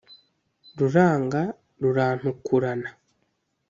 Ruranga rurantukurana!